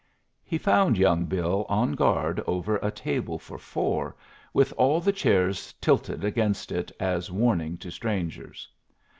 He found young Bill on guard over a table for four, with all the chairs tilted against it as warning to strangers.